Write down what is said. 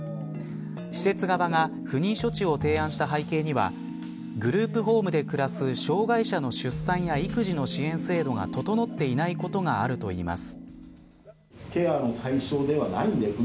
施設側が不妊処置を提案した背景にはグループホームで暮らす障害者の出産や育児の支援制度が整っていないことがあるといいます。